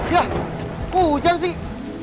yah hujan sih